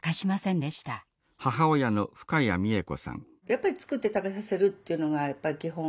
やっぱり作って食べさせるっていうのが基本。